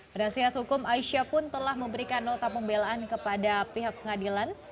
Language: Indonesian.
penasihat hukum aisyah pun telah memberikan nota pembelaan kepada pihak pengadilan